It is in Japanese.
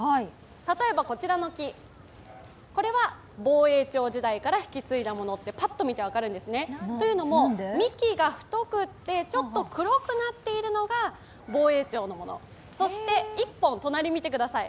例えばこちらの木これは防衛庁時代から引き継いだものってパッと見て分かるんですね。というのも、幹が太くて、ちょっと黒くなっているのが防衛庁のもの、そして１本、隣、見てください。